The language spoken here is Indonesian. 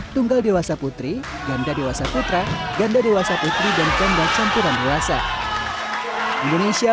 tunggal dewasa putri ganda dewasa putra ganda dewasa putri dan ganda campuran dewasa indonesia